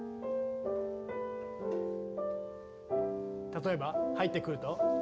例えば入ってくると。